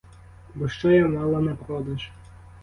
Бо що я мала на продаж?